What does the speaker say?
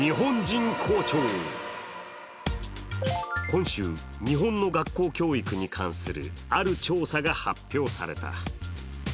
今週、日本の学校教育に関するある調査が発表された。